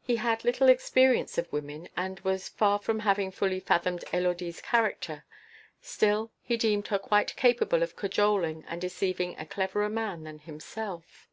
He had little experience of women and was far from having fully fathomed Élodie's character; still, he deemed her quite capable of cajoling and deceiving a cleverer man than himself.